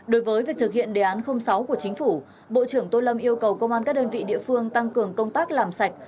đối với việc thực hiện đề án sáu của chính phủ bộ trưởng tô lâm yêu cầu công an các đơn vị địa phương tăng cường công tác làm sạch